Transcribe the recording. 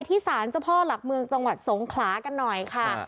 สารเจ้าพ่อหลักเมืองจังหวัดสงขลากันหน่อยค่ะ